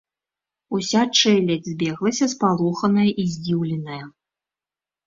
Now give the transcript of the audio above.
Уся чэлядзь збеглася спалоханая і здзіўленая.